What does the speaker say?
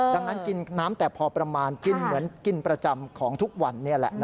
ดังนั้นกินน้ำแต่พอประมาณกินเหมือนกินประจำของทุกวันนี้แหละ